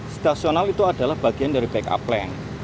situasional itu adalah bagian dari backup plank